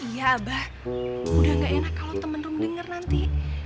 iya abah udah gak enak kalau temen temen dengar nanti